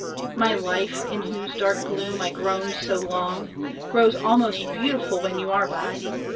My life, in whose dark gloom I groaned so long, Grows almost beautiful when you are by.